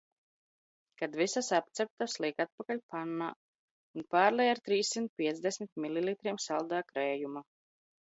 Kad visas apceptas, liek atpakaļ pannā un pārlej ar trīssimt piecdesmit mililitriem saldā krējuma.